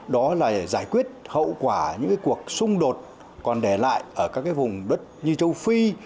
đó là giải quyết hậu quả những cuộc xung đột còn để lại ở các vùng đất như châu phi